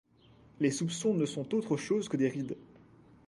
Les soupçons ne sont autre chose que des rides.